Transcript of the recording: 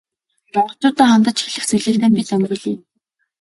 Монголчууддаа хандаж хэлэх зүйлийг тань бид дамжуулъя.